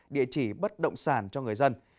địa chỉ bất động sản cho người dân